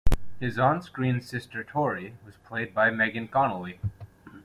His on-screen sister Tori, was played by Megan Connolly.